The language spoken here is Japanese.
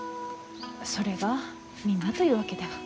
それがみんなというわけでは。